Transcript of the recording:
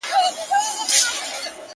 گــــوره زمــا د زړه ســـكــــونـــــه،